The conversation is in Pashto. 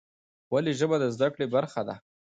ولې ژبه د زده کړې برخه ده؟